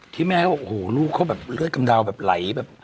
ที่แม่ก็โอ้โหลูกเขาแบบเลือดกำดาวน์แบบไหล